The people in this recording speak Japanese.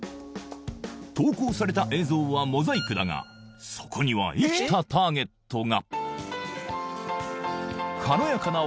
投稿された映像はモザイクだが、そこには生きたターゲットが。